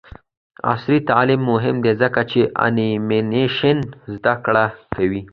عصري تعلیم مهم دی ځکه چې د انیمیشن زدکړه کوي.